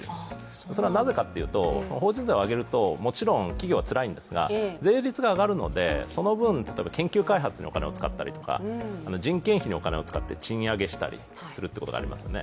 それはなぜかというと、法人税を上げるともちろん企業はつらいんですが、税率が上がるのでその分、研究・開発にお金を使ったりとか人件費にお金を使って賃上げしたりということがあります。